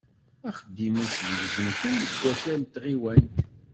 Axeddim-is yegzem kan deg wakal n tɣiwant.